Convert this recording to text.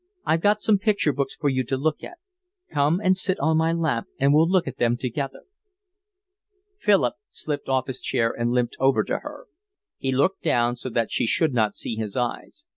I've got some picture books for you to look at. Come and sit on my lap, and we'll look at them together." Philip slipped off his chair and limped over to her. He looked down so that she should not see his eyes.